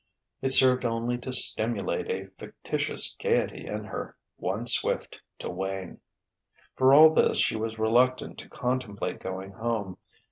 It served only to stimulate a fictitious gaiety in her, one swift to wane. For all this, she was reluctant to contemplate going home.